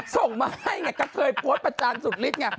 ส่งมาให้กะเทยต์โพสต์ประจังสุดลิด